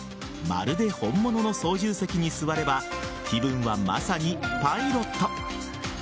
まるで本物の操縦席に座れば気分はまさにパイロット。